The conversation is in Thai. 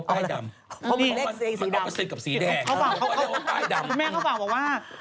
พี่แม่เขาฝากบอกว่า